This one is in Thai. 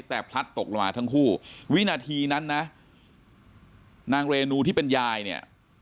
แต่พลัดตกลงมาทั้งคู่วินาทีนั้นนะนางเรนูที่เป็นยายเนี่ย